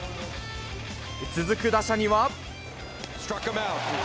続く打者には。